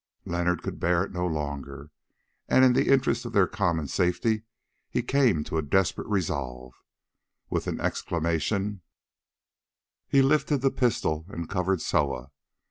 Leonard could bear it no longer, and in the interests of their common safety he came to a desperate resolve. With an exclamation, he lifted the pistol and covered Soa.